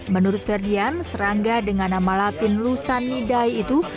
menurut ferdian serangga dengan nama latin lusanidai itu